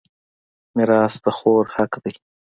میراث د خور حق دی.